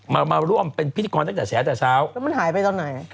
มันหายไปตอนไหน